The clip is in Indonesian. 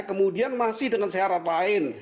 kemudian masih dengan syarat lain